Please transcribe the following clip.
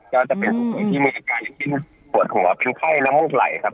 จะเป็นผู้ป่วยที่มีอาการที่เป็นปวดหัวเป็นไข้และม่วงไก่ครับ